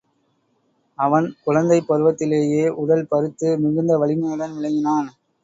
அவன், குழந்தைப் பருவத்திலேயே உடல் பருத்து, மிகுந்த வலிமையுடன் விளங்கினான்.